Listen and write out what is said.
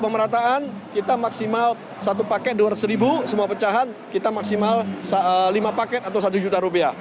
pemerataan kita maksimal satu paket dua ratus ribu semua pecahan kita maksimal lima paket atau satu juta rupiah